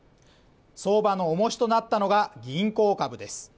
相場の重しとなったのが、銀行株です。